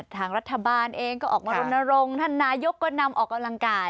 ทางรัฐบาลเองก็ออกมารณรงค์ท่านนายกก็นำออกกำลังกาย